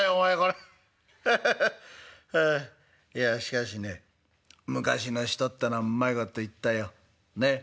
いやしかしね昔の人ってえのはうまいこと言ったよねっ。